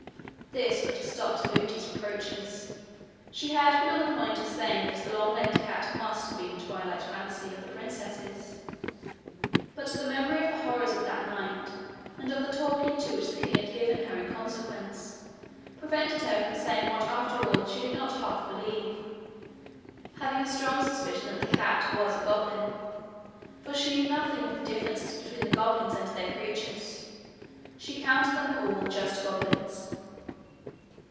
This put a stop to Lootie's reproaches. She had been on the point of saying that the long legged cat must have been a twilight fancy of the princess's, but the memory of the horrors of that night, and of the talking to which the king had given her in consequence, prevented her from saying what after all she did not half believe having a strong suspicion that the cat was a goblin; for she knew nothing of the difference between the goblins and their creatures: she counted them all just goblins.